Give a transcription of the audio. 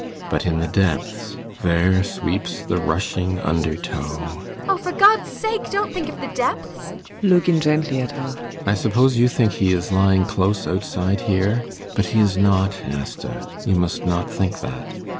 But in the depths there sweeps the rushing undertow ASTA. [In terror.] Oh, for God's sake don't think of the depths! ALLMERS. [Looking gently at her.] I suppose you think he is lying close outside here? But he is not, Asta. You must not think that.